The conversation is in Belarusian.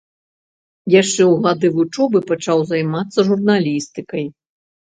Яшчэ ў гады вучобы пачаў займацца журналістыкай.